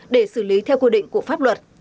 để xử lý theo quyết định của pháp luật